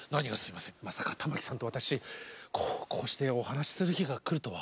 まさか玉置さんと私こうしてお話しする日が来るとは。